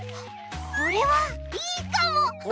これはいいかも！